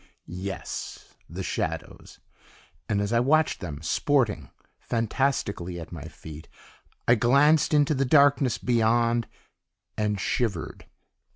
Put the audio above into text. Yes! the shadows; and as I watched them sporting phantastically at my feet, I glanced into the darkness beyond and shivered.